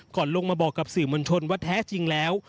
ก่อนลงมาบอกกับสื่อมวลชนว่าแท้จริงแล้ว